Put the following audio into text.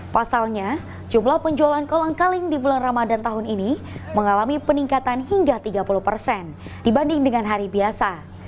pasalnya jumlah penjualan kolang kaling di bulan ramadan tahun ini mengalami peningkatan hingga tiga puluh persen dibanding dengan hari biasa